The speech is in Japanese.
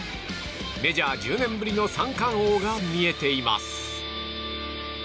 メジャー１０年ぶりの三冠王が見えています。